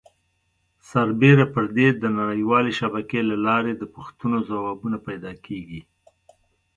سربیره پر دې د نړۍ والې شبکې له لارې د پوښتنو ځوابونه پیدا کېږي.